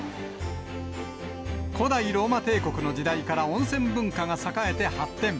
古代ローマ帝国の時代から温泉文化が栄えて発展。